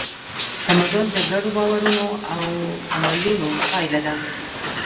تمدن د ګډو باورونو او عملونو پایله ده.